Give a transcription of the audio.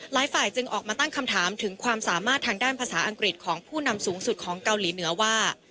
ฝ่ายจึงออกมาตั้งคำถามถึงความสามารถทางด้านภาษาอังกฤษของผู้นำสูงสุดของเกาหลีเหนือว่า